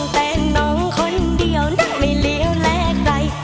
แต่หนองคนเดียวนั้นไม่เหลี่ยวแลกไร